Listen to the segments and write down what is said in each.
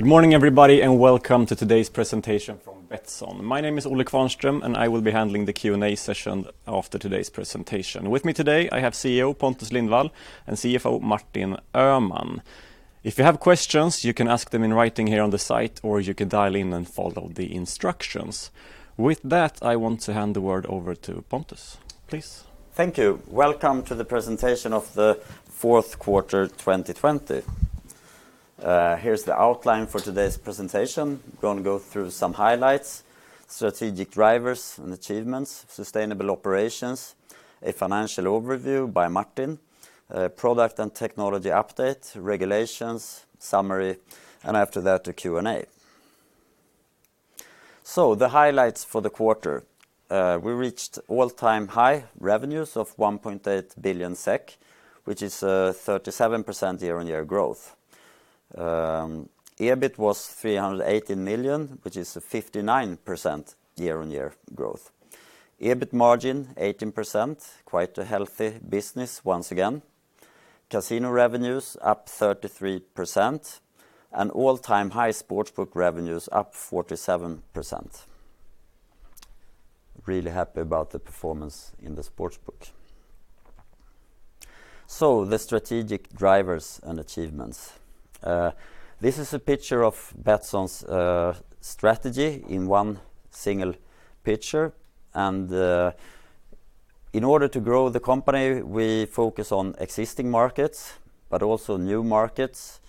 Good morning, everybody, welcome to today's presentation from Betsson. My name is Olle Qvarnström, and I will be handling the Q&A session after today's presentation. With me today, I have CEO Pontus Lindwall and CFO Martin Öhman. If you have questions, you can ask them in writing here on the site, or you can dial in and follow the instructions. With that, I want to hand the word over to Pontus, please. Thank you. Welcome to the presentation of the fourth quarter 2020. Here's the outline for today's presentation. Going to go through some highlights, strategic drivers and achievements, sustainable operations, a financial overview by Martin, product and technology update, regulations, summary, and after that, a Q&A. The highlights for the quarter. We reached all-time high revenues of 1.8 billion SEK, which is a 37% year-on-year growth. EBIT was 318 million, which is a 59% year-on-year growth. EBIT margin 18%, quite a healthy business once again. Casino revenues up 33%, and all-time high sportsbook revenues up 47%. Really happy about the performance in the sportsbook. The strategic drivers and achievements. This is a picture of Betsson's strategy in one single picture, and in order to grow the company, we focus on existing markets, but also new markets,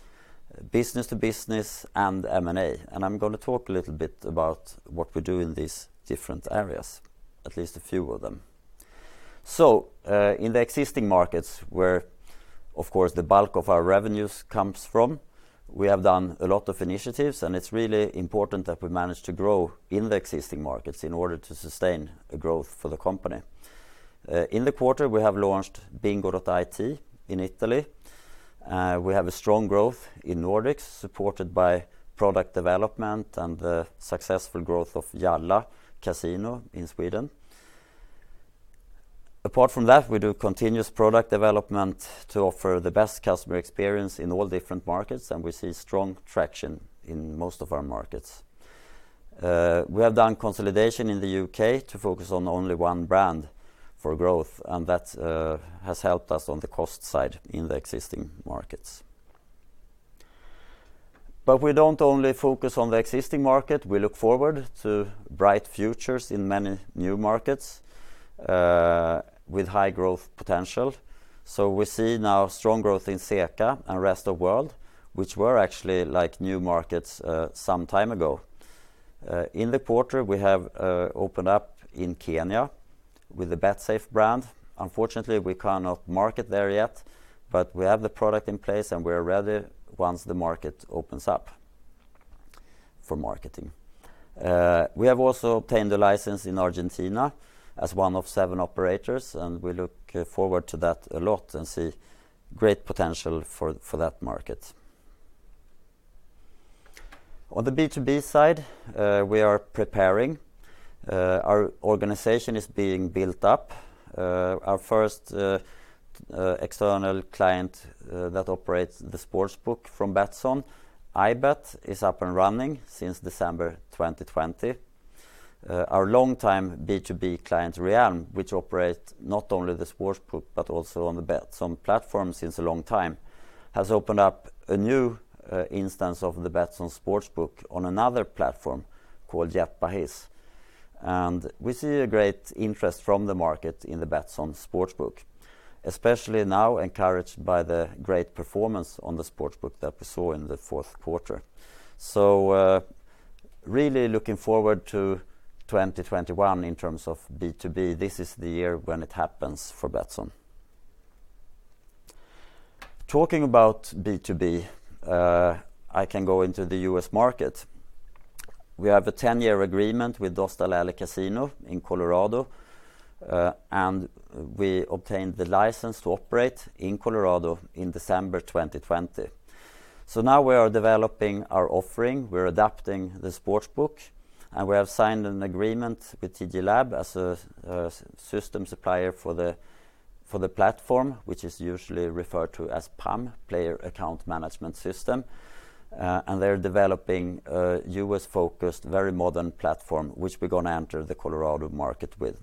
business to business, and M&A. I'm going to talk a little bit about what we do in these different areas, at least a few of them. In the existing markets, where, of course, the bulk of our revenues comes from, we have done a lot of initiatives, and it's really important that we manage to grow in the existing markets in order to sustain a growth for the company. In the quarter, we have launched Bingo.it in Italy. We have a strong growth in Nordics, supported by product development and the successful growth of Jalla Casino in Sweden. Apart from that, we do continuous product development to offer the best customer experience in all different markets, and we see strong traction in most of our markets. We have done consolidation in the U.K. to focus on only one brand for growth. That has helped us on the cost side in the existing markets. We don't only focus on the existing market. We look forward to bright futures in many new markets with high growth potential. We see now strong growth in CEECA and rest of world, which were actually new markets some time ago. In the quarter, we have opened up in Kenya with the Betsafe brand. Unfortunately, we cannot market there yet. We have the product in place. We are ready once the market opens up for marketing. We have also obtained a license in Argentina as one of seven operators. We look forward to that a lot. We see great potential for that market. On the B2B side, we are preparing. Our organization is being built up. Our first external client that operates the sportsbook from Betsson, ibet, is up and running since December 2020. Our longtime B2B client, Realm, which operates not only the sportsbook, but also on the Betsson platform since a long time, has opened up a new instance of the Betsson sportsbook on another platform called Jetbahis. We see a great interest from the market in the Betsson sportsbook, especially now encouraged by the great performance on the sportsbook that we saw in the fourth quarter. Really looking forward to 2021 in terms of B2B. This is the year when it happens for Betsson. Talking about B2B, I can go into the U.S. market. We have a 10-year agreement with Dostal Alley Casino in Colorado, and we obtained the license to operate in Colorado in December 2020. Now we are developing our offering. We're adapting the sportsbook, and we have signed an agreement with TG Lab as a system supplier for the platform, which is usually referred to as PAM, player account management system. They're developing a U.S.-focused, very modern platform, which we're going to enter the Colorado market with.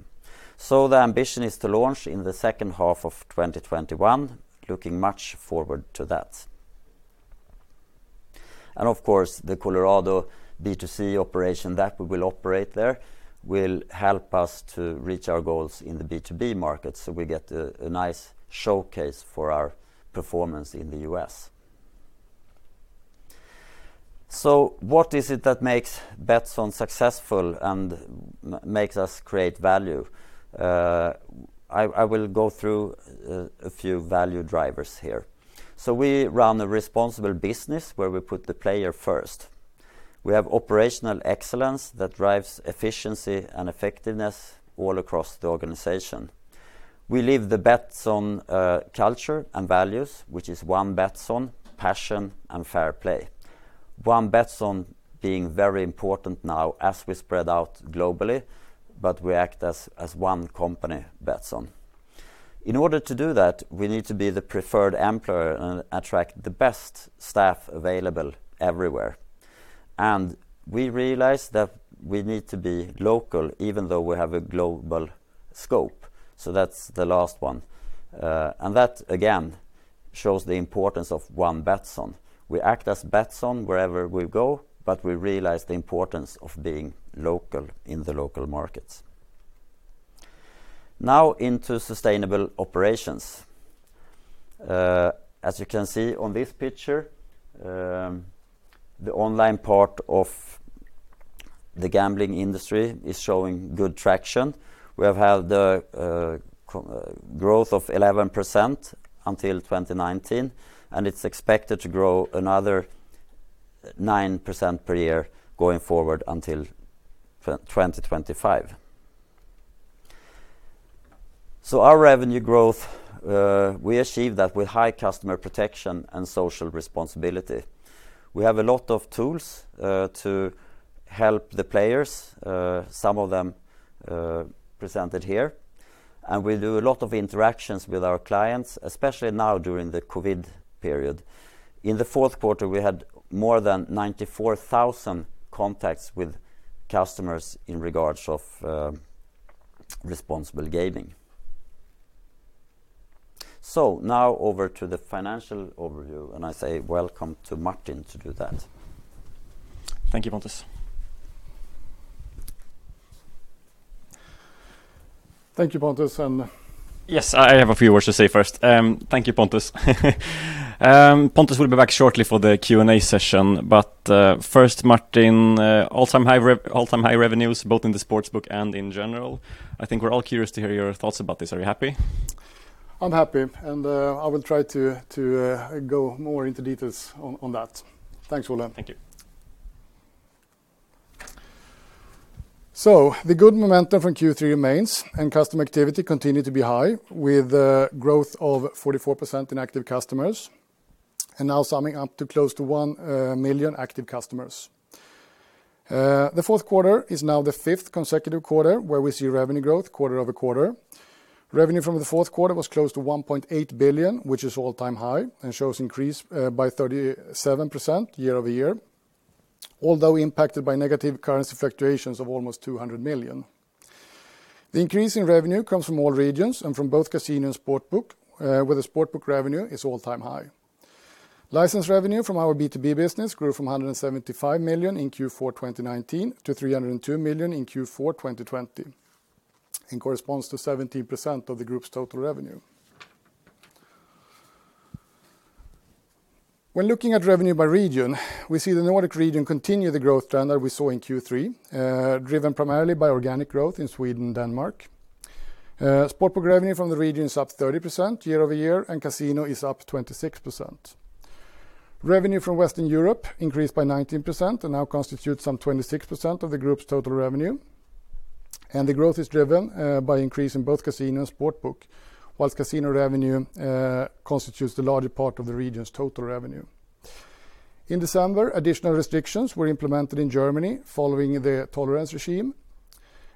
The ambition is to launch in the second half of 2021, looking much forward to that. Of course, the Colorado B2C operation that we will operate there will help us to reach our goals in the B2B market. We get a nice showcase for our performance in the U.S. What is it that makes Betsson successful and makes us create value? I will go through a few value drivers here. We run a responsible business where we put the player first. We have operational excellence that drives efficiency and effectiveness all across the organization. We live the Betsson culture and values, which is one Betsson, passion, and fair play. One Betsson being very important now as we spread out globally, but we act as one company, Betsson. In order to do that, we need to be the preferred employer and attract the best staff available everywhere. We realized that we need to be local even though we have a global scope. That's the last one. That again shows the importance of one Betsson. We act as Betsson wherever we go, but we realize the importance of being local in the local markets. Now into sustainable operations. As you can see on this picture, the online part of the gambling industry is showing good traction. We have had the growth of 11% until 2019, and it's expected to grow another 9% per year going forward until 2025. Our revenue growth, we achieve that with high customer protection and social responsibility. We have a lot of tools to help the players, some of them presented here, and we do a lot of interactions with our clients, especially now during the COVID period. In the fourth quarter, we had more than 94,000 contacts with customers in regards of responsible gaming. Now over to the financial overview, and I say welcome to Martin to do that. Thank you, Pontus. Thank you, Pontus. Yes, I have a few words to say first. Thank you, Pontus. Pontus will be back shortly for the Q&A session. First, Martin, all-time high revenues both in the sportsbook and in general. I think we're all curious to hear your thoughts about this. Are you happy? I'm happy, and I will try to go more into details on that. Thanks, Olle. Thank you. The good momentum from Q3 remains, and customer activity continued to be high with growth of 44% in active customers, and now summing up to close to 1 million active customers. The fourth quarter is now the fifth consecutive quarter where we see revenue growth quarter-over-quarter. Revenue from the fourth quarter was close to 1.8 billion, which is all-time high, and shows increase by 37% year-over-year, although impacted by negative currency fluctuations of almost 200 million. The increase in revenue comes from all regions and from both casino and sportsbook, with the sportsbook revenue is all-time high. License revenue from our B2B business grew from 175 million in Q4 2019 to 302 million in Q4 2020, and corresponds to 17% of the group's total revenue. When looking at revenue by region, we see the Nordic region continue the growth trend that we saw in Q3, driven primarily by organic growth in Sweden and Denmark. Sportsbook revenue from the region is up 30% year-over-year, casino is up 26%. Revenue from Western Europe increased by 19% now constitutes some 26% of the group's total revenue. The growth is driven by increase in both casino and sportsbook, while casino revenue constitutes the larger part of the region's total revenue. In December, additional restrictions were implemented in Germany following the tolerance regime.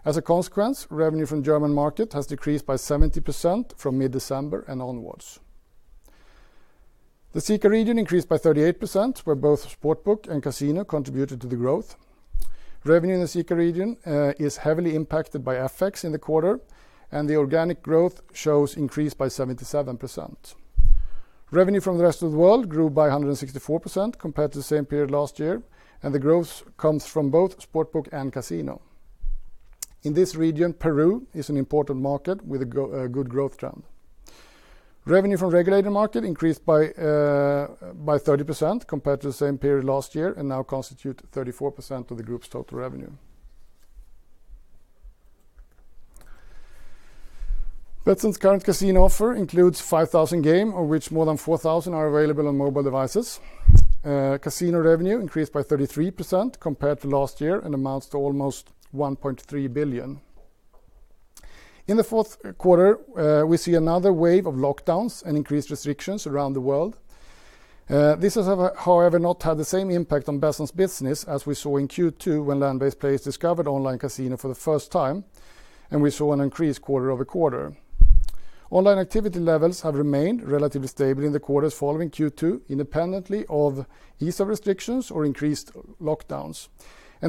As a consequence, revenue from German market has decreased by 70% from mid-December and onwards. The CEECA region increased by 38%, where both sportsbook and casino contributed to the growth. Revenue in the CEECA region is heavily impacted by FX in the quarter. The organic growth shows increase by 77%. Revenue from the rest of the world grew by 164% compared to the same period last year. The growth comes from both sportsbook and casino. In this region, Peru is an important market with a good growth trend. Revenue from regulated markets increased by 30% compared to the same period last year and now constitute 34% of the group's total revenue. Betsson's current casino offer includes 5,000 games, of which more than 4,000 are available on mobile devices. Casino revenue increased by 33% compared to last year and amounts to almost 1.3 billion. In the fourth quarter, we see another wave of lockdowns and increased restrictions around the world. This has, however, not had the same impact on Betsson's business as we saw in Q2 when land-based players discovered online casino for the first time, and we saw an increase quarter-over-quarter. Online activity levels have remained relatively stable in the quarters following Q2, independently of ease of restrictions or increased lockdowns.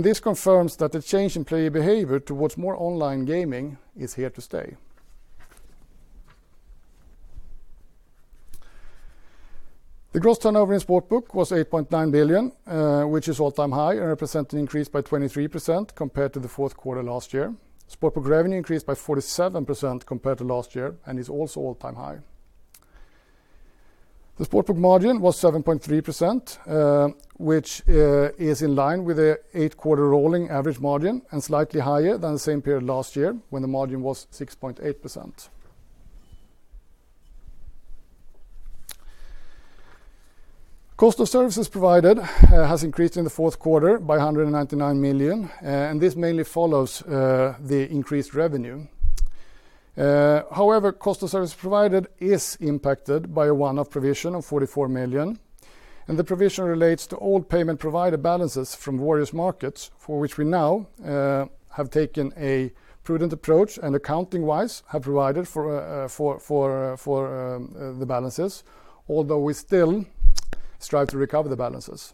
This confirms that the change in player behavior towards more online gaming is here to stay. The gross turnover in sportsbook was 8.9 billion, which is all-time high and represent an increase by 23% compared to the fourth quarter last year. Sportsbook revenue increased by 47% compared to last year and is also all-time high. The sportsbook margin was 7.3%, which is in line with the eight-quarter rolling average margin and slightly higher than the same period last year, when the margin was 6.8%. Cost of services provided has increased in the fourth quarter by 199 million, this mainly follows the increased revenue. However, cost of services provided is impacted by a one-off provision of 44 million. The provision relates to all payment provider balances from various markets for which we now have taken a prudent approach and accounting-wise have provided for the balances, although we still strive to recover the balances.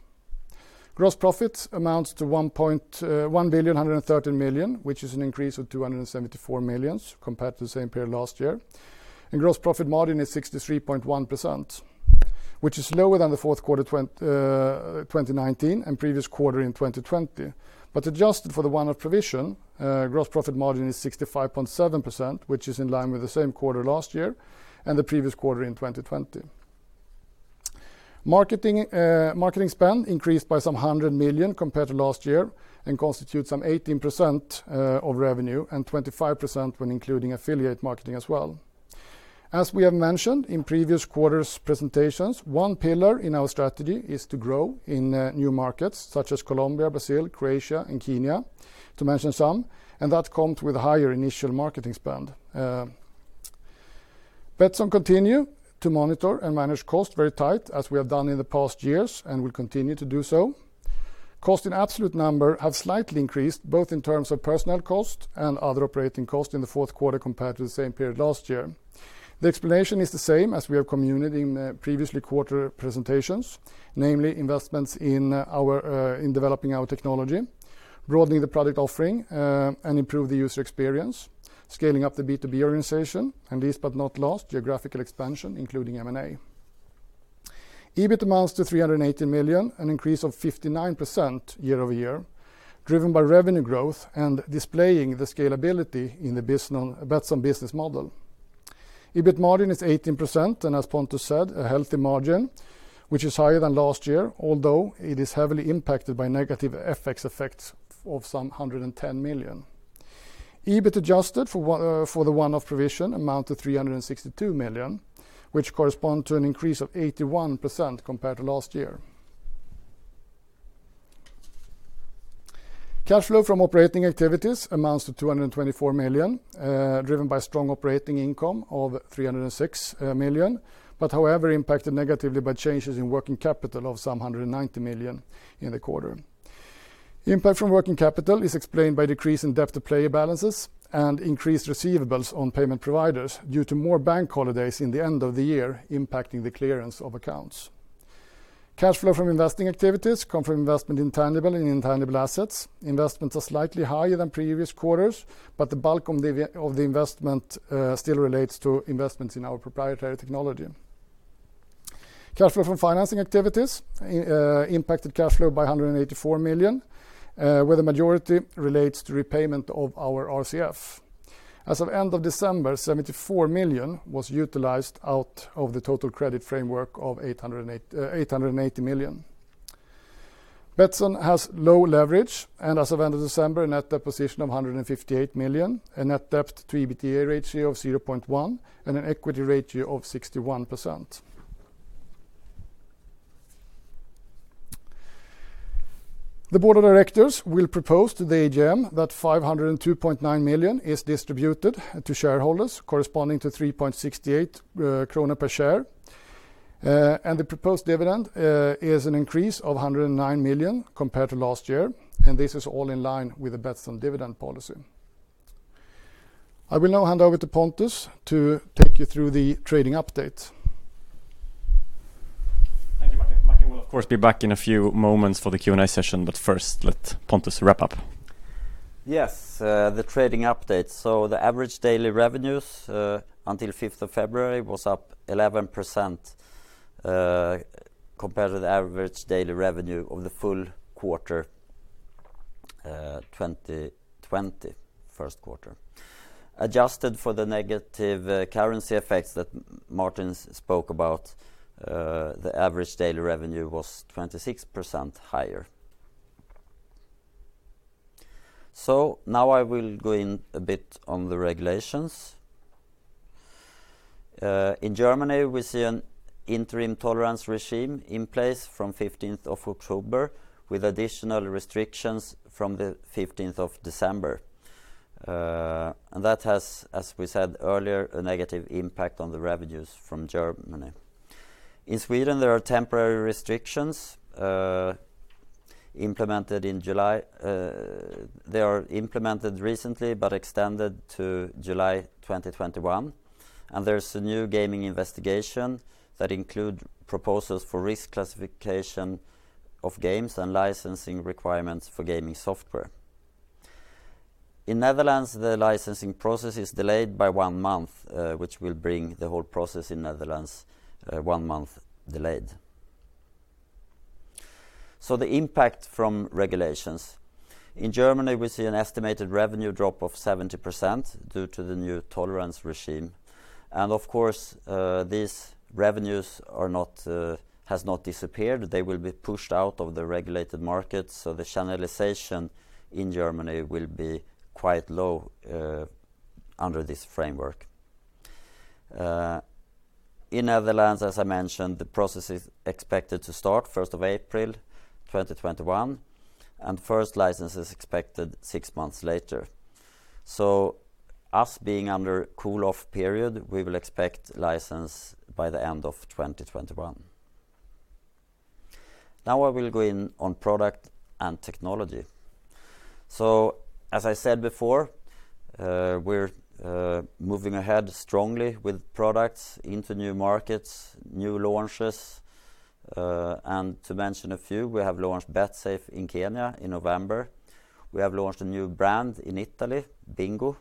Gross profits amounts to 1,113 million, which is an increase of 274 million compared to the same period last year. Gross profit margin is 63.1%, which is lower than the fourth quarter 2019 and previous quarter in 2020. Adjusted for the one-off provision, gross profit margin is 65.7%, which is in line with the same quarter last year and the previous quarter in 2020. Marketing spend increased by some 100 million compared to last year and constitutes some 18% of revenue and 25% when including affiliate marketing as well. As we have mentioned in previous quarters presentations, one pillar in our strategy is to grow in new markets such as Colombia, Brazil, Croatia, and Kenya, to mention some, and that comes with a higher initial marketing spend. Betsson continue to monitor and manage costs very tight as we have done in the past years and will continue to do so. Cost in absolute number have slightly increased, both in terms of personnel cost and other operating costs in the fourth quarter compared to the same period last year. The explanation is the same as we have communicated in previous quarter presentations, namely investments in developing our technology, broadening the product offering, and improve the user experience, scaling up the B2B organization, and least but not last, geographical expansion, including M&A. EBIT amounts to 380 million, an increase of 59% year-over-year, driven by revenue growth and displaying the scalability in the Betsson business model. EBIT margin is 18%, and as Pontus said, a healthy margin, which is higher than last year, although it is heavily impacted by negative FX effects of some 110 million. EBIT adjusted for the one-off provision amount to 362 million, which correspond to an increase of 81% compared to last year. Cash flow from operating activities amounts to 224 million, driven by strong operating income of 306 million, but however, impacted negatively by changes in working capital of some 190 million in the quarter. Impact from working capital is explained by decrease in debt to player balances and increased receivables on payment providers due to more bank holidays in the end of the year impacting the clearance of accounts. Cash flow from investing activities come from investment in tangible and intangible assets. Investments are slightly higher than previous quarters, but the bulk of the investment still relates to investments in our proprietary technology. Cash flow from financing activities impacted cash flow by 184 million, where the majority relates to repayment of our RCF. As of end of December, 74 million was utilized out of the total credit framework of 880 million. Betsson has low leverage, and as of end of December, a net deposition of 158 million, a net debt to EBITDA ratio of 0.1, and an equity ratio of 61%. The board of directors will propose to the AGM that 502.9 million is distributed to shareholders, corresponding to 3.68 krona per share. The proposed dividend is an increase of 109 million compared to last year, and this is all in line with the Betsson dividend policy. I will now hand over to Pontus to take you through the trading update. Thank you, Martin. Martin will of course be back in a few moments for the Q&A session, but first, let Pontus wrap up. Yes, the trading update. The average daily revenues, until 5th of February, was up 11% compared to the average daily revenue of the full quarter 2020, first quarter. Adjusted for the negative currency effects that Martin spoke about, the average daily revenue was 26% higher. Now I will go in a bit on the regulations. In Germany, we see an interim tolerance regime in place from 15th of October with additional restrictions from the 15th of December. That has, as we said earlier, a negative impact on the revenues from Germany. In Sweden, there are temporary restrictions implemented in July. They are implemented recently but extended to July 2021, and there's a new gaming investigation that include proposals for risk classification of games and licensing requirements for gaming software. In Netherlands, the licensing process is delayed by one month, which will bring the whole process in Netherlands one month delayed. The impact from regulations. In Germany, we see an estimated revenue drop of 70% due to the new tolerance regime. Of course, these revenues has not disappeared. They will be pushed out of the regulated market, so the channelization in Germany will be quite low under this framework. In Netherlands, as I mentioned, the process is expected to start 1st of April 2021, and first license is expected six months later. Us being under cool-off period, we will expect license by the end of 2021. Now I will go in on product and technology. As I said before, we're moving ahead strongly with products into new markets, new launches. To mention a few, we have launched Betsafe in Kenya in November. We have launched a new brand in Italy, Bingo,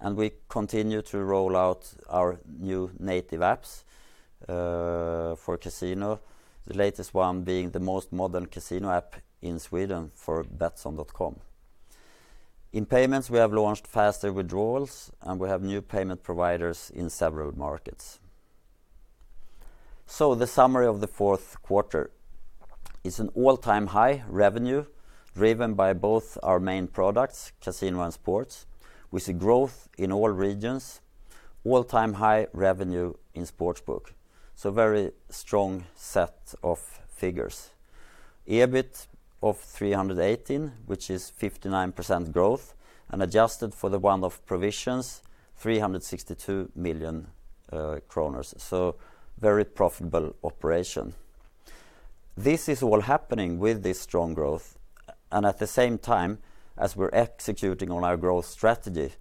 and we continue to roll out our new native apps for casino, the latest one being the most modern casino app in Sweden for betsson.com. In payments, we have launched faster withdrawals, and we have new payment providers in several markets. The summary of the fourth quarter is an all-time high revenue driven by both our main products, casino and sports. We see growth in all regions, all-time high revenue in sportsbook. Very strong set of figures. EBIT of 318, which is 59% growth and adjusted for the one-off provisions, 362 million kronor, so very profitable operation. This is all happening with this strong growth and at the same time as we're executing on our growth strategy,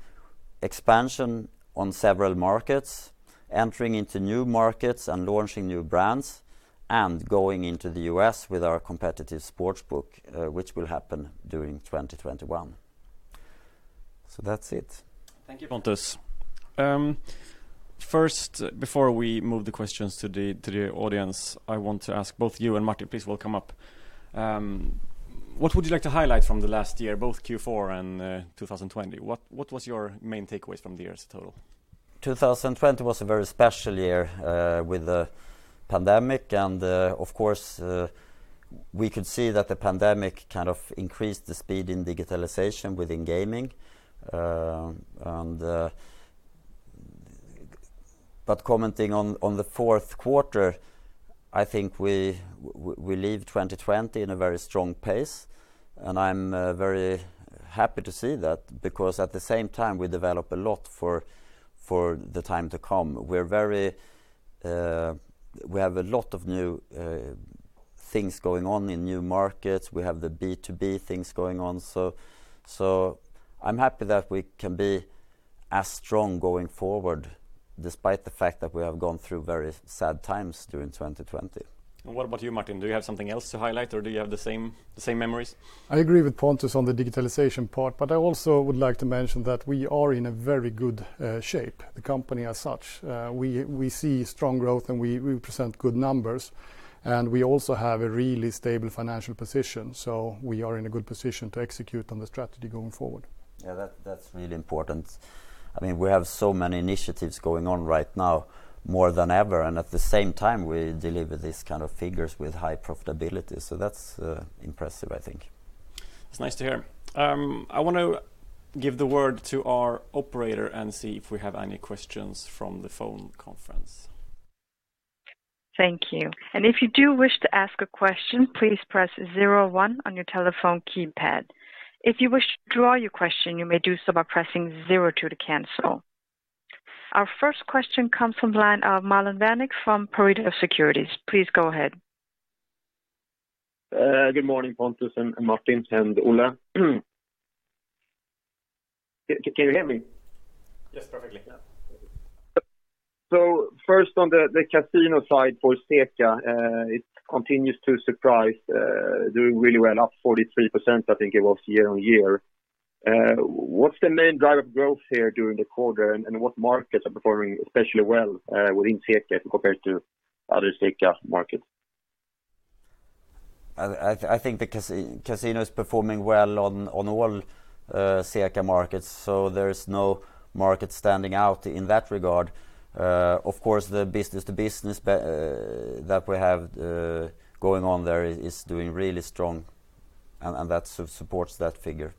expansion on several markets, entering into new markets and launching new brands, and going into the U.S. with our competitive Sportsbook, which will happen during 2021. That's it. Thank you, Pontus. First, before we move the questions to the audience, I want to ask both you and Martin, please, welcome up. What would you like to highlight from the last year, both Q4 and 2020? What was your main takeaways from the year as a total? 2020 was a very special year, with the pandemic, of course, we could see that the pandemic kind of increased the speed in digitalization within gaming. Commenting on the fourth quarter, I think we leave 2020 in a very strong pace, and I'm very happy to see that because at the same time, we develop a lot for the time to come. We have a lot of new things going on in new markets. We have the B2B things going on. I'm happy that we can be as strong going forward despite the fact that we have gone through very sad times during 2020. What about you, Martin? Do you have something else to highlight, or do you have the same memories? I agree with Pontus on the digitalization part, but I also would like to mention that we are in a very good shape, the company as such. We see strong growth, and we present good numbers, and we also have a really stable financial position. We are in a good position to execute on the strategy going forward. That's really important. We have so many initiatives going on right now, more than ever, and at the same time, we deliver these kind of figures with high profitability. That's impressive, I think. It's nice to hear. I want to give the word to our operator and see if we have any questions from the phone conference. Thank you. Our first question comes from the line of Marlon Varnik from Pareto Securities. Please go ahead. Good morning, Pontus and Martin and Olle. Can you hear me? Yes, perfectly. First on the casino side for SECA, it continues to surprise, doing really well, up 43%, I think it was year-on-year. What's the main driver of growth here during the quarter, and what markets are performing especially well within SECA compared to other SECA markets? I think the casino is performing well on all SECA markets, so there is no market standing out in that regard. Of course, the business to business that we have going on there is doing really strong, and that supports that figure.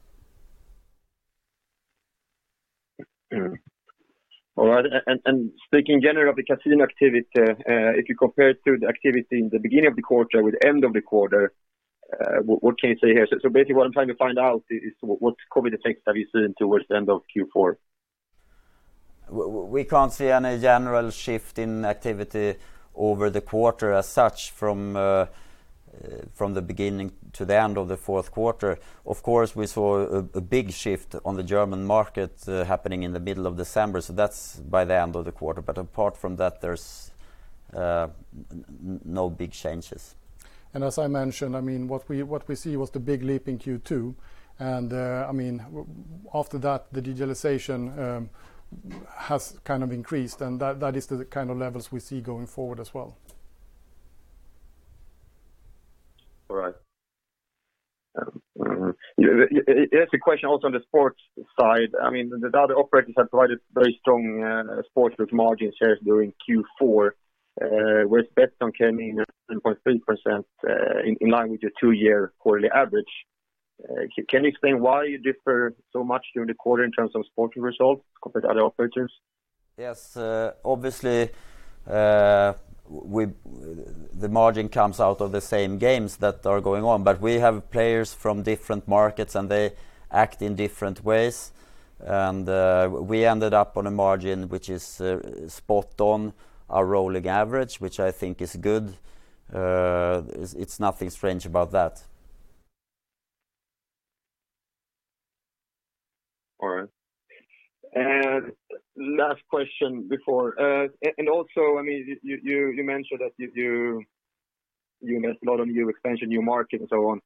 All right. Speaking generally of the casino activity, if you compare it to the activity in the beginning of the quarter with end of the quarter, what can you say here? Basically what I'm trying to find out is what COVID effects have you seen towards the end of Q4? We can't see any general shift in activity over the quarter as such from the beginning to the end of the fourth quarter. Of course, we saw a big shift on the German market happening in the middle of December, so that's by the end of the quarter. Apart from that, there's no big changes. As I mentioned, what we see was the big leap in Q2, and after that, the digitalization has kind of increased, and that is the kind of levels we see going forward as well. All right. Here's a question also on the sports side. The other operators have provided very strong Sportsbook margin shares during Q4, whereas Betsson came in at 7.3% in line with your two-year quarterly average. Can you explain why you differ so much during the quarter in terms of sports results compared to other operators? Yes. Obviously, the margin comes out of the same games that are going on, but we have players from different markets and they act in different ways. We ended up on a margin which is spot on our rolling average, which I think is good. It's nothing strange about that. All right. Last question. You mentioned that you missed a lot of new expansion, new market, and so on.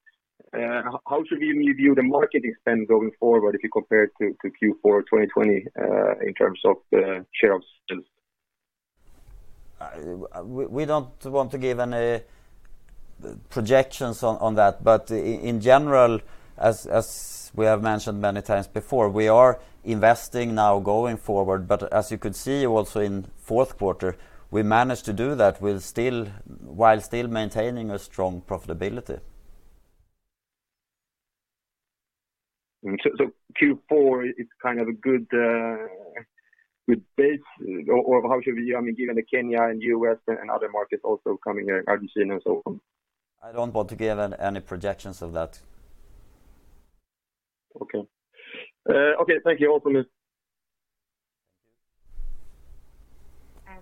How should we view the marketing spend going forward if you compare it to Q4 2020 in terms of the share of sales? We don't want to give any projections on that. In general, as we have mentioned many times before, we are investing now going forward. As you could see also in fourth quarter, we managed to do that while still maintaining a strong profitability. Q4 is kind of a good base, or how should we, given the Kenya and U.S. and other markets also coming, Argentina and so on? I don't want to give any projections of that. Okay. Thank you. Over.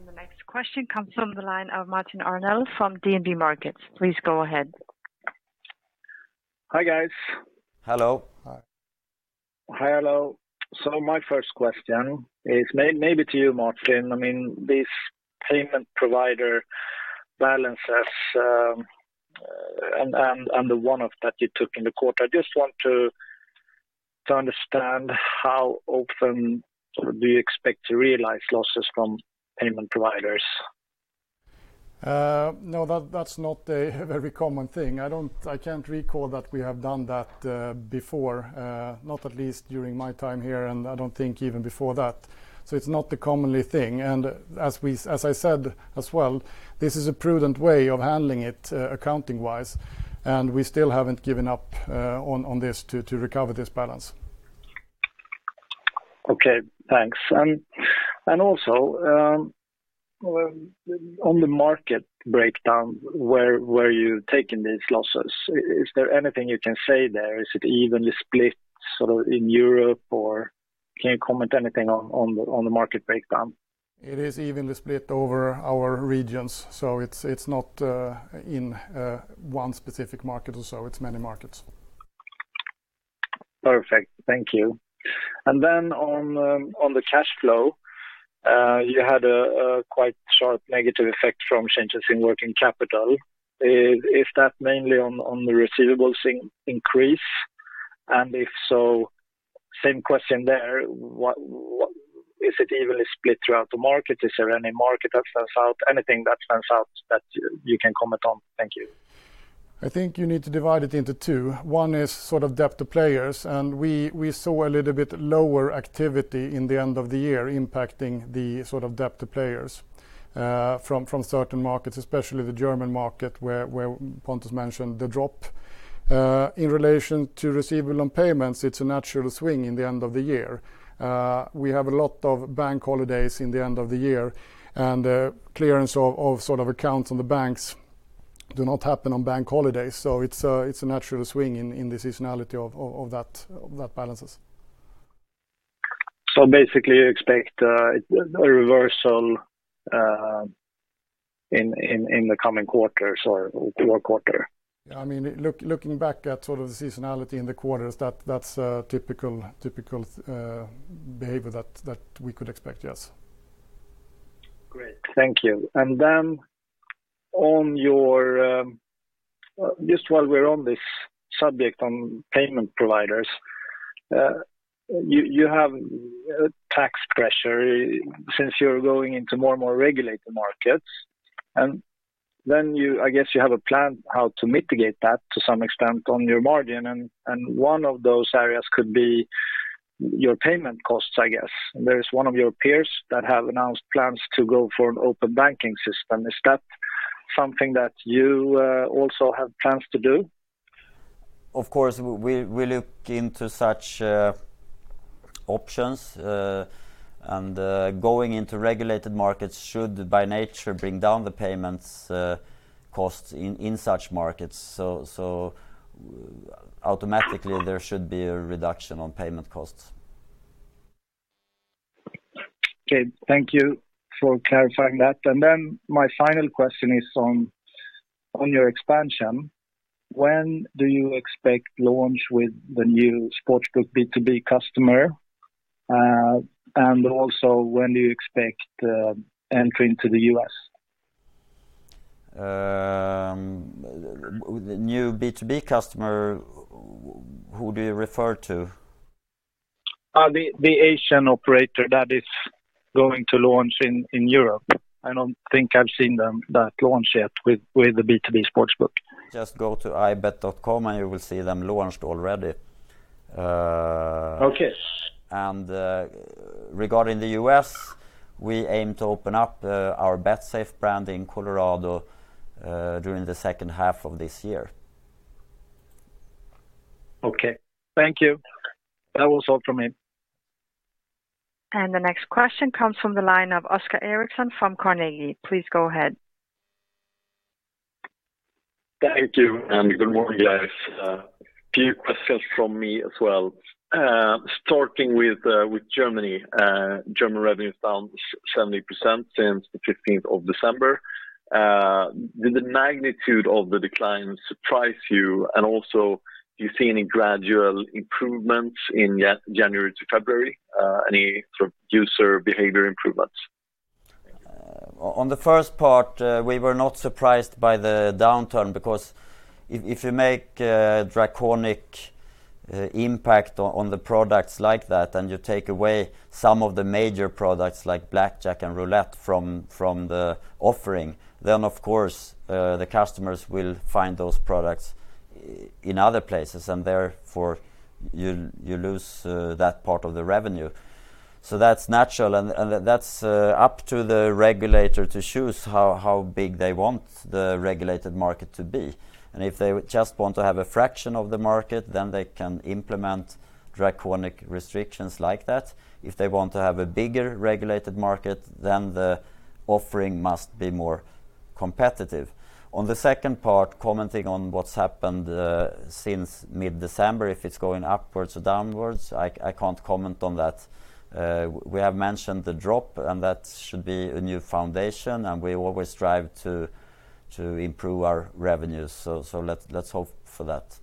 The next question comes from the line of Martin Arnell from DNB Markets. Please go ahead. Hi, guys. Hello. Hi. Hello. My first question is maybe to you, Martin. These payment provider balances and the one-off that you took in the quarter, I just want to understand how often do you expect to realize losses from payment providers? No, that's not a very common thing. I can't recall that we have done that before, not at least during my time here, and I don't think even before that. It's not the common thing. As I said as well, this is a prudent way of handling it accounting-wise, and we still haven't given up on this to recover this balance. Okay, thanks. Also on the market breakdown, where are you taking these losses? Is there anything you can say there? Is it evenly split in Europe, or can you comment anything on the market breakdown? It is evenly split over our regions. It's not in one specific market or so. It's many markets. Perfect. Thank you. On the cash flow, you had a quite sharp negative effect from changes in working capital. Is that mainly on the receivables increase? If so, same question there, is it evenly split throughout the market? Is there any market that stands out? Anything that stands out that you can comment on? Thank you. I think you need to divide it into two. One is sort of debt to players, and we saw a little bit lower activity in the end of the year impacting the sort of debt to players from certain markets, especially the German market where Pontus mentioned the drop. In relation to receivable and payments, it's a natural swing in the end of the year. We have a lot of bank holidays in the end of the year, and clearance of accounts on the banks do not happen on bank holidays. It's a natural swing in the seasonality of that balances. Basically, you expect a reversal in the coming quarters or quarter? Looking back at sort of the seasonality in the quarters, that's a typical behavior that we could expect, yes. Great. Thank you. Just while we're on this subject on payment providers, you have tax pressure since you're going into more and more regulated markets. I guess you have a plan how to mitigate that to some extent on your margin, and one of those areas could be your payment costs, I guess. There is one of your peers that have announced plans to go for an open banking system. Is that something that you also have plans to do? Of course, we look into such options, and going into regulated markets should by nature bring down the payments costs in such markets. Automatically there should be a reduction on payment costs. Okay. Thank you for clarifying that. My final question is on your expansion. When do you expect launch with the new sportsbook B2B customer? When do you expect entry into the U.S.? The new B2B customer, who do you refer to? The Asian operator that is going to launch in Europe. I don't think I've seen that launch yet with the B2B sports book. Just go to ibet.com, and you will see them launched already. Okay. Regarding the U.S., we aim to open up our Betsafe brand in Colorado during the second half of this year. Okay. Thank you. That was all from me. The next question comes from the line of Oscar Erixon from Carnegie. Please go ahead. Thank you. Good morning, guys. A few questions from me as well. Starting with Germany. German revenue is down 70% since the 15th of December. Did the magnitude of the decline surprise you, and also, do you see any gradual improvements in January to February, any sort of user behavior improvements? On the first part, we were not surprised by the downturn because if you make a draconian impact on the products like that, and you take away some of the major products like blackjack and roulette from the offering, then of course, the customers will find those products in other places, and therefore you lose that part of the revenue. That's natural, and that's up to the regulator to choose how big they want the regulated market to be. If they just want to have a fraction of the market, then they can implement draconian restrictions like that. If they want to have a bigger regulated market, then the offering must be more competitive. On the second part, commenting on what's happened since mid-December, if it's going upwards or downwards, I can't comment on that. We have mentioned the drop, and that should be a new foundation, and we always strive to improve our revenues. Let's hope for that.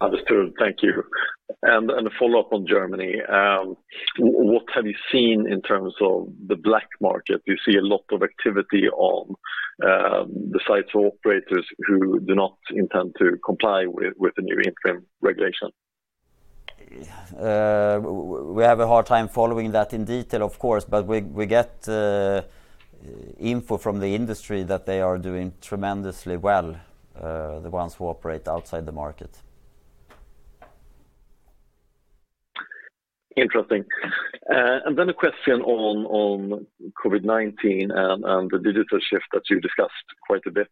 Understood. Thank you. A follow-up on Germany. What have you seen in terms of the black market? Do you see a lot of activity on the sites or operators who do not intend to comply with the new interim regulation? We have a hard time following that in detail, of course, but we get info from the industry that they are doing tremendously well, the ones who operate outside the market. Interesting. A question on COVID-19 and the digital shift that you discussed quite a bit.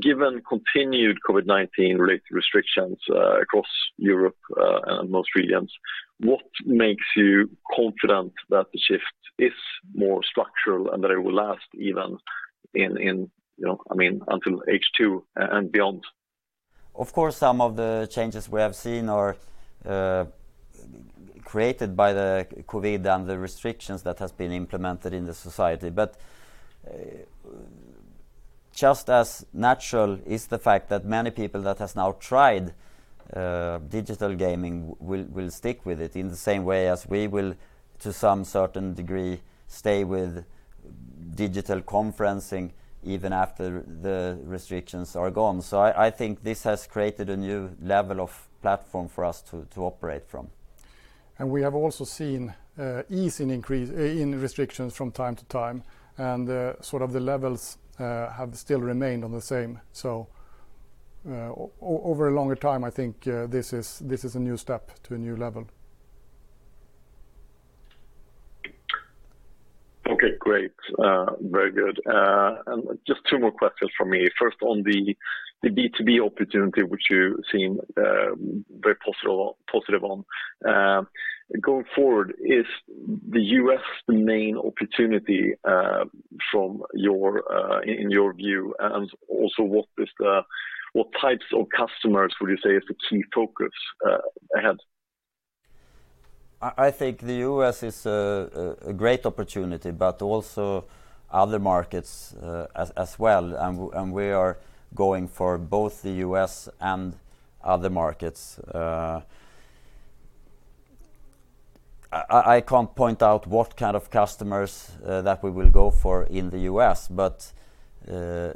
Given continued COVID-19-related restrictions across Europe and most regions, what makes you confident that the shift is more structural and that it will last even until H2 and beyond? Of course, some of the changes we have seen are created by the COVID and the restrictions that have been implemented in the society. Just as natural is the fact that many people that have now tried digital gaming will stick with it in the same way as we will, to some certain degree, stay with digital conferencing even after the restrictions are gone. I think this has created a new level of platform for us to operate from. We have also seen an ease in restrictions from time to time, and the levels have still remained the same. Over a longer time, I think this is a new step to a new level. Okay, great. Very good. Just two more questions from me. First, on the B2B opportunity, which you seem very positive on. Going forward, is the U.S. the main opportunity in your view? Also what types of customers would you say is the key focus ahead? I think the U.S. is a great opportunity, but also other markets as well, and we are going for both the U.S. and other markets. I can't point out what kind of customers that we will go for in the U.S., but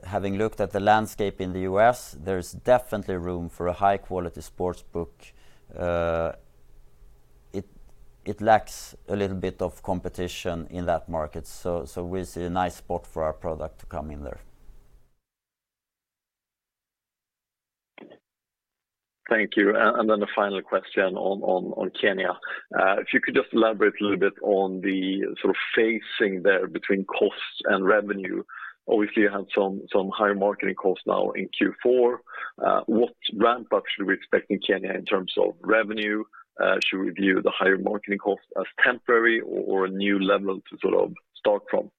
having looked at the landscape in the U.S., there's definitely room for a high-quality sportsbook. It lacks a little bit of competition in that market, so we see a nice spot for our product to come in there. Thank you. The final question on Kenya. If you could just elaborate a little bit on the sort of phasing there between costs and revenue. Obviously, you had some higher marketing costs now in Q4. What ramp-up should we expect in Kenya in terms of revenue? Should we view the higher marketing costs as temporary or a new level to sort of start from?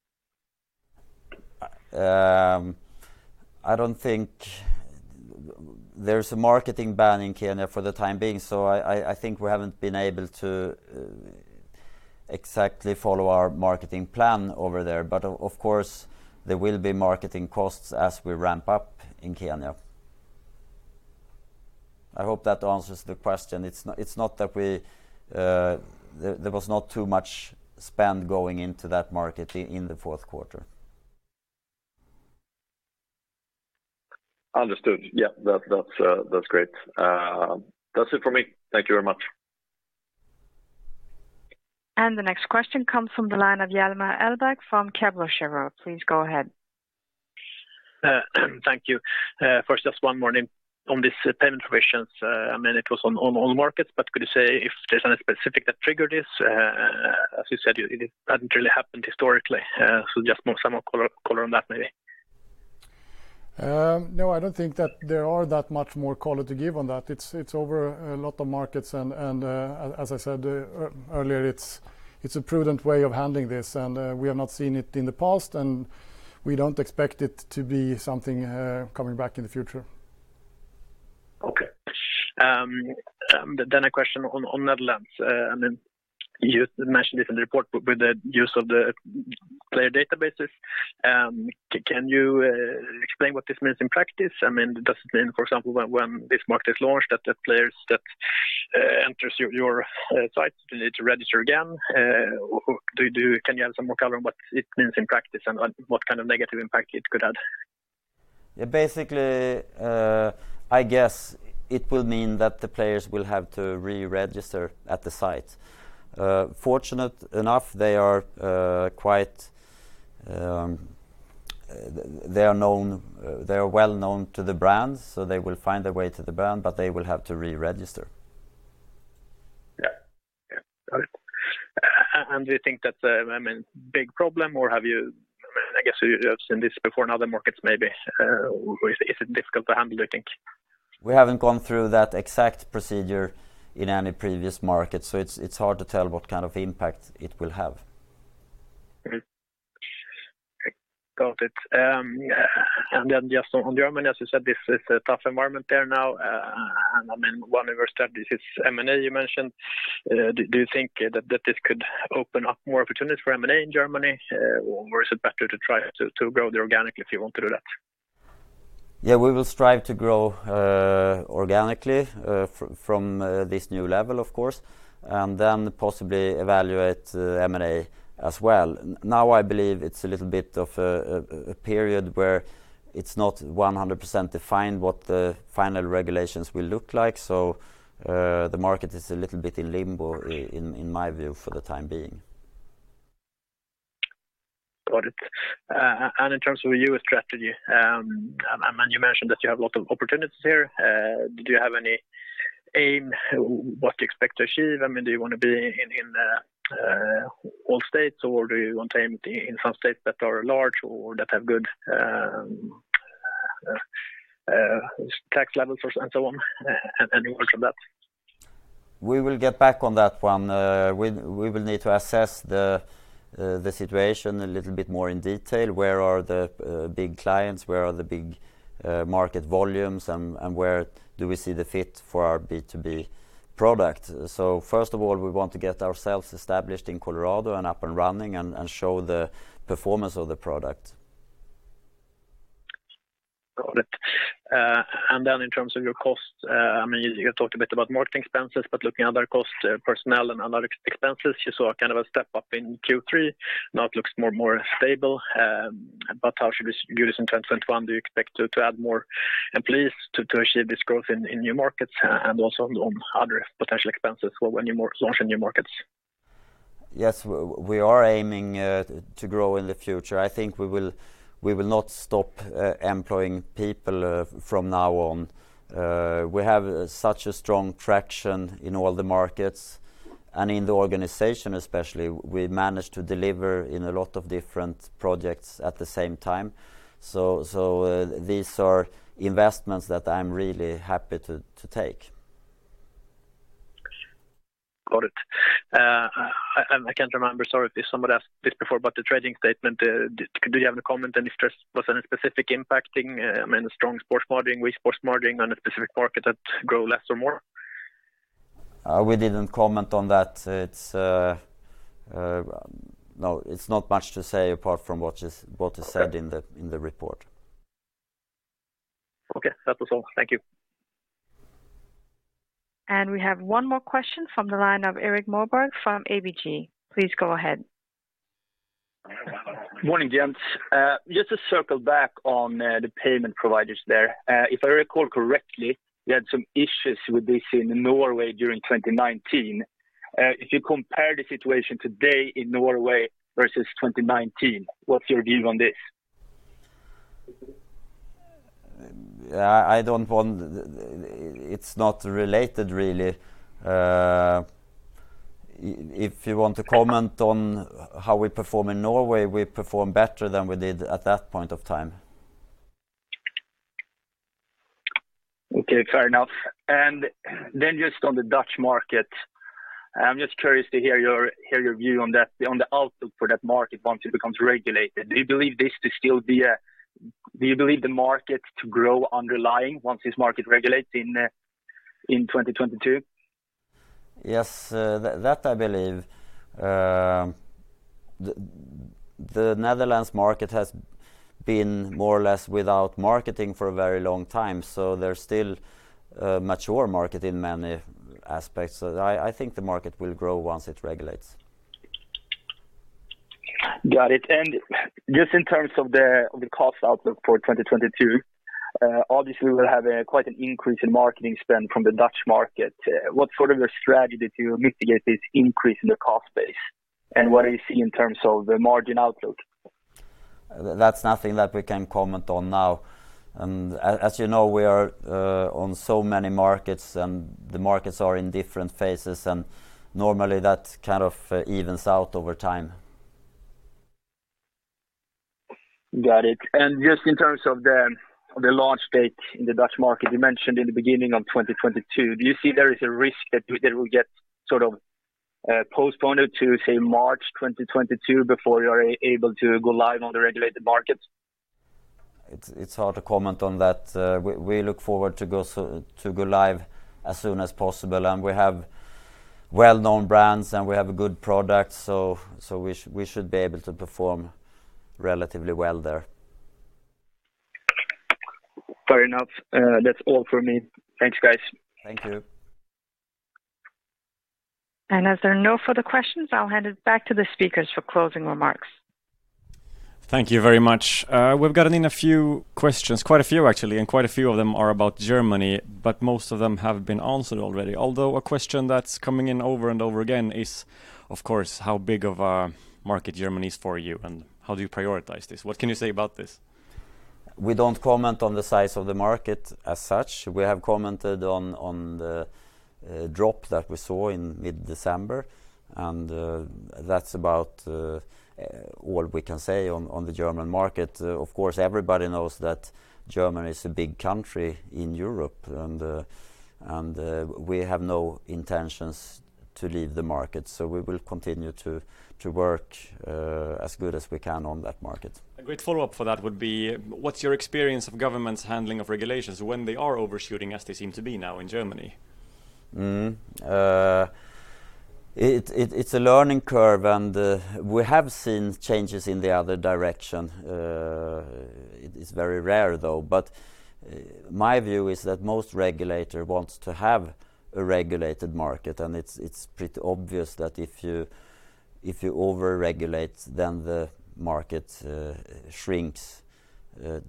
There's a marketing ban in Kenya for the time being. I think we haven't been able to exactly follow our marketing plan over there. Of course, there will be marketing costs as we ramp up in Kenya. I hope that answers the question. There was not too much spend going into that market in the fourth quarter. Understood. Yeah. That's great. That's it for me. Thank you very much. The next question comes from the line of Hjalmar Ahlberg from Kepler Cheuvreux. Please go ahead. Thank you. First, just one morning on this payment provisions, it was on all markets, but could you say if there's any specific that triggered this? As you said, it hadn't really happened historically. Just some more color on that, maybe. No, I don't think that there are that much more color to give on that. It's over a lot of markets and as I said earlier, it's a prudent way of handling this, and we have not seen it in the past, and we don't expect it to be something coming back in the future. Okay. A question on Netherlands. You mentioned this in the report with the use of the player databases. Can you explain what this means in practice? Does it mean, for example, when this market is launched, that the players that enter your site will need to register again? Can you add some more color on what it means in practice and what kind of negative impact it could have? Yeah, basically, I guess it will mean that the players will have to re-register at the site. Fortunate enough they are well known to the brands, so they will find their way to the brand, but they will have to re-register. Yeah. Got it. Do you think that's a big problem or I guess you have seen this before in other markets, maybe? Is it difficult to handle, do you think? We haven't gone through that exact procedure in any previous market, so it's hard to tell what kind of impact it will have. Got it. Then just on Germany, as you said, this is a tough environment there now. One of your strategies is M&A, you mentioned. Do you think that this could open up more opportunities for M&A in Germany? Is it better to try to grow there organically if you want to do that? Yeah, we will strive to grow organically from this new level, of course, and then possibly evaluate M&A as well. I believe it's a little bit of a period where it's not 100% defined what the final regulations will look like. The market is a little bit in limbo in my view for the time being. Got it. In terms of U.S. strategy, you mentioned that you have a lot of opportunities there. Do you have any aim what you expect to achieve? Do you want to be in all states, or do you want to aim in some states that are large or that have good tax levels and so on? Any words on that? We will get back on that one. We will need to assess the situation a little bit more in detail. Where are the big clients, where are the big market volumes, and where do we see the fit for our B2B product? First of all, we want to get ourselves established in Colorado and up and running and show the performance of the product. Got it. Then in terms of your cost, you talked a bit about marketing expenses, but looking at other costs, personnel and other expenses, you saw kind of a step-up in Q3. Now it looks more stable. How should we use in 2021? Do you expect to add more employees to achieve this growth in new markets and also on other potential expenses when you launch in new markets? Yes, we are aiming to grow in the future. I think we will not stop employing people from now on. We have such a strong traction in all the markets and in the organization especially. We've managed to deliver in a lot of different projects at the same time. These are investments that I'm really happy to take. Got it. I can't remember, sorry if somebody asked this before, but the trading statement, do you have any comment, any stress, was any specific impacting, strong sports modeling, weak sports modeling on a specific market that grow less or more? We didn't comment on that. No, it's not much to say apart from what is said in the report. Okay. That was all. Thank you. We have one more question from the line of Erik Moberg from ABG. Please go ahead. Morning, gents. Just to circle back on the payment providers there. If I recall correctly, you had some issues with this in Norway during 2019. If you compare the situation today in Norway versus 2019, what's your view on this? It's not related really. If you want to comment on how we perform in Norway, we perform better than we did at that point of time. Okay, fair enough. Then just on the Dutch market, I'm just curious to hear your view on the outlook for that market once it becomes regulated. Do you believe the market to grow underlying once this market regulates in 2022? Yes, that I believe. The Netherlands market has been more or less without marketing for a very long time. They're still a mature market in many aspects. I think the market will grow once it regulates. Got it. Just in terms of the cost outlook for 2022, obviously we'll have quite an increase in marketing spend from the Dutch market. What's your strategy to mitigate this increase in the cost base? What do you see in terms of the margin outlook? That's nothing that we can comment on now. As you know, we are on so many markets, and the markets are in different phases, and normally that kind of evens out over time. Got it. Just in terms of the launch date in the Dutch market, you mentioned in the beginning of 2022. Do you see there is a risk that it will get sort of postponed to, say, March 2022 before you are able to go live on the regulated market? It's hard to comment on that. We look forward to go live as soon as possible, and we have well-known brands, and we have a good product, so we should be able to perform relatively well there. Fair enough. That's all from me. Thanks, guys. Thank you. As there are no further questions, I'll hand it back to the speakers for closing remarks. Thank you very much. We've gotten in a few questions, quite a few actually, and quite a few of them are about Germany, but most of them have been answered already. Although, a question that's coming in over and over again is, of course, how big of a market Germany is for you, and how do you prioritize this? What can you say about this? We don't comment on the size of the market as such. We have commented on the drop that we saw in mid-December. That's about all we can say on the German market. Of course, everybody knows that Germany is a big country in Europe. We have no intentions to leave the market. We will continue to work as good as we can on that market. A great follow-up for that would be, what's your experience of government's handling of regulations when they are overshooting, as they seem to be now in Germany? It's a learning curve, and we have seen changes in the other direction. It is very rare, though. My view is that most regulator wants to have a regulated market, and it's pretty obvious that if you over-regulate, then the market shrinks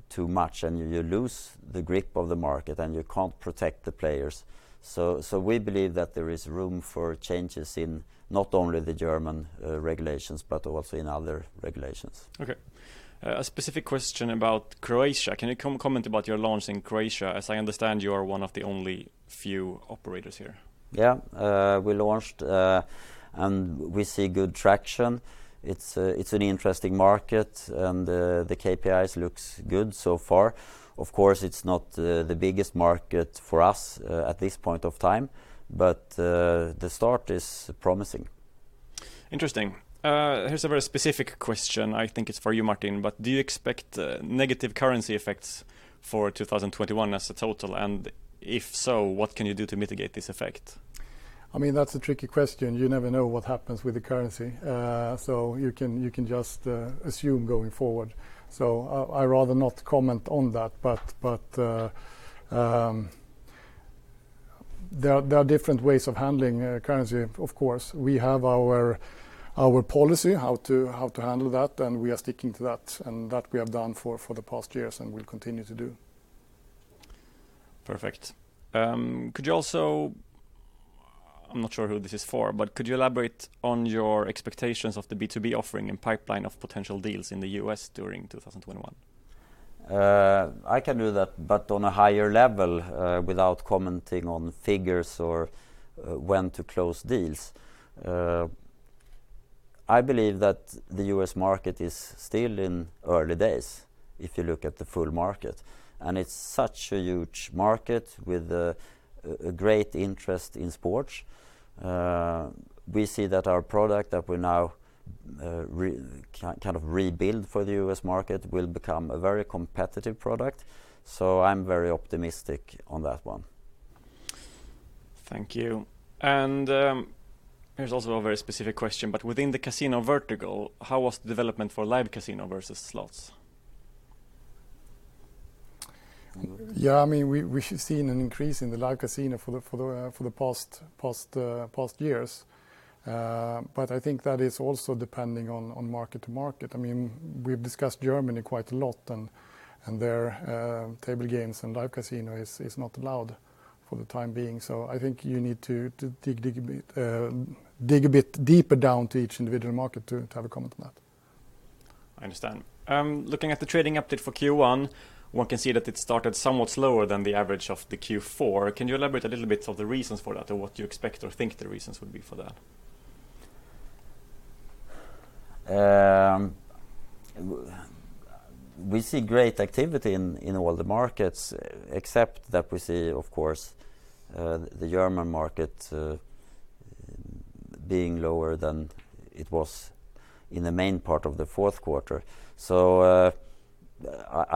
too much, and you lose the grip of the market, and you can't protect the players. We believe that there is room for changes in not only the German regulations, but also in other regulations. Okay. A specific question about Croatia. Can you comment about your launch in Croatia? As I understand, you are one of the only few operators here. Yeah. We launched, and we see good traction. It's an interesting market, and the KPIs looks good so far. Of course, it's not the biggest market for us at this point of time, but the start is promising. Interesting. Here's a very specific question. I think it's for you, Martin, but do you expect negative currency effects for 2021 as a total? If so, what can you do to mitigate this effect? That's a tricky question. You never know what happens with the currency. You can just assume going forward. I rather not comment on that, but there are different ways of handling currency, of course. We have our policy how to handle that, and we are sticking to that, and that we have done for the past years and will continue to do. Perfect. Could you also, I'm not sure who this is for, but could you elaborate on your expectations of the B2B offering and pipeline of potential deals in the U.S. during 2021? I can do that, but on a higher level, without commenting on figures or when to close deals. I believe that the U.S. market is still in early days, if you look at the full market, and it's such a huge market with a great interest in sports. We see that our product that we now kind of rebuild for the U.S. market will become a very competitive product. I'm very optimistic on that one. Thank you. Here's also a very specific question, within the casino vertical, how was the development for live casino versus slots? Yeah, we've seen an increase in the live casino for the past years. I think that is also depending on market to market. We've discussed Germany quite a lot, and their table games and live casino is not allowed for the time being. I think you need to dig a bit deeper down to each individual market to have a comment on that. I understand. Looking at the trading update for Q1, one can see that it started somewhat slower than the average of the Q4. Can you elaborate a little bit of the reasons for that, or what you expect or think the reasons would be for that? We see great activity in all the markets, except that we see, of course, the German market being lower than it was in the main part of the fourth quarter.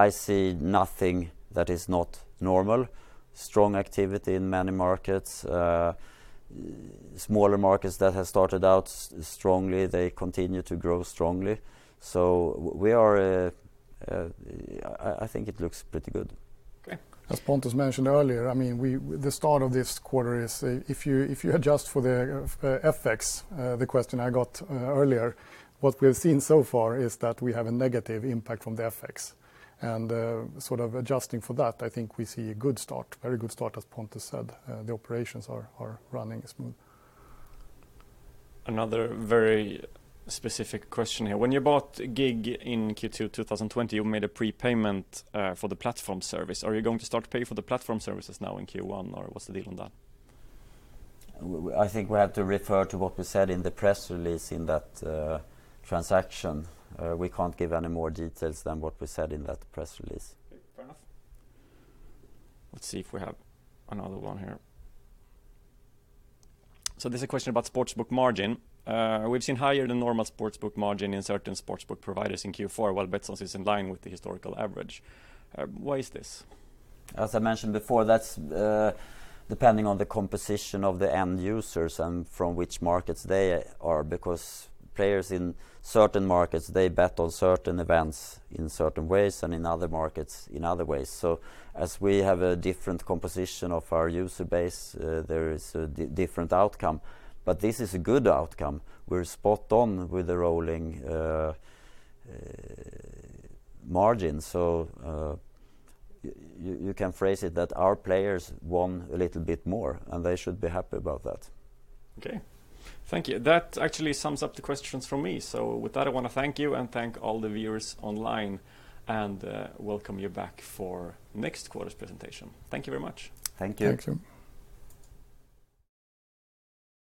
I see nothing that is not normal. Strong activity in many markets. Smaller markets that have started out strongly, they continue to grow strongly. I think it looks pretty good. Okay. As Pontus mentioned earlier, the start of this quarter, if you adjust for the FX, the question I got earlier, what we have seen so far is that we have a negative impact from the FX. Sort of adjusting for that, I think we see a good start, very good start, as Pontus said. The operations are running smooth. Another very specific question here. When you bought GiG in Q2 2020, you made a prepayment for the platform service. Are you going to start to pay for the platform services now in Q1, or what's the deal on that? I think we have to refer to what we said in the press release in that transaction. We can't give any more details than what we said in that press release. Okay, fair enough. Let's see if we have another one here. This is a question about sportsbook margin. We've seen higher than normal sportsbook margin in certain sportsbook providers in Q4, while Betsson is in line with the historical average. Why is this? As I mentioned before, that's depending on the composition of the end users and from which markets they are, because players in certain markets, they bet on certain events in certain ways, and in other markets in other ways. As we have a different composition of our user base, there is a different outcome. This is a good outcome. We're spot on with the rolling margin. You can phrase it that our players won a little bit more, and they should be happy about that. Okay. Thank you. That actually sums up the questions from me. With that, I want to thank you and thank all the viewers online and welcome you back for next quarter's presentation. Thank you very much. Thank you. Thank you.